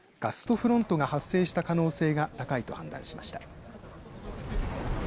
フロントが発生した可能性が高いと判断しました。